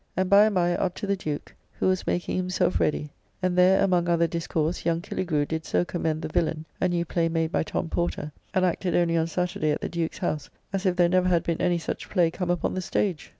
And by and by up to the Duke, who was making himself ready; and there among other discourse young Killigrew did so commend "The Villaine," a new play made by Tom Porter; and acted only on Saturday at the Duke's house, as if there never had been any such play come upon the stage.